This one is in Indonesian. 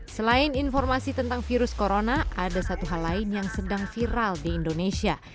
selain informasi tentang virus corona ada satu hal lain yang sedang viral di indonesia